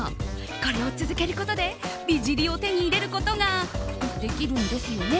これを続けることで美尻を手に入れることができるんですよね？